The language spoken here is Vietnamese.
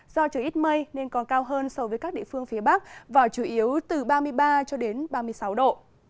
do trời ít mây nên còn cao hơn so với các địa phương phía bắc và chủ yếu từ ba mươi ba cho đến ba mươi sáu độ